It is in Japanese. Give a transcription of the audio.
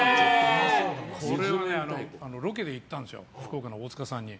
これはね、ロケで行ったんですよ福岡の大塚さんに。